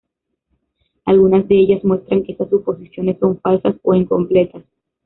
Algunas de ellas muestran que esas suposiciones son falsas o incompletas.